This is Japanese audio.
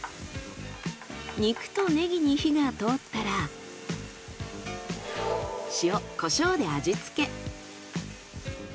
肉とねぎに火が通ったら塩コショウで味付け。